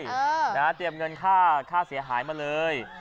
นะฮะเตรียมเงินค่าค่าเสียหายมาเลย